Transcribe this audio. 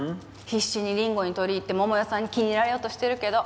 必死に凛吾に取り入って桃代さんに気に入られようとしてるけど。